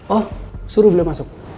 oh suruh dia masuk